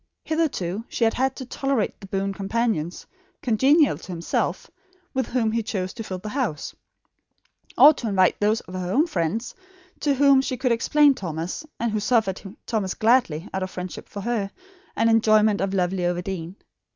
Hitherto she had had to tolerate the boon companions, congenial to himself, with whom he chose to fill the house; or to invite those of her own friends to whom she could explain Thomas, and who suffered Thomas gladly, out of friendship for her, and enjoyment of lovely Overdene.